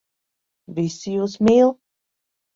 Visi jūs mīl.